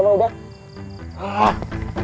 kamu sudah sabar